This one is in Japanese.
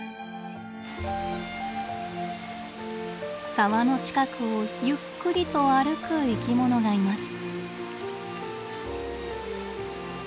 沢の近くをゆっくりと歩く生き物がいます。